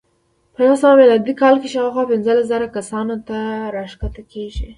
په نهه سوه میلادي کال کې شاوخوا پنځلس زره کسانو ته راښکته کېږي.